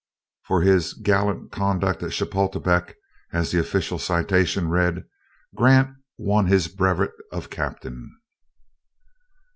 For this "gallant conduct at Chapultepec," as the official citation read, Grant won his brevet of captain.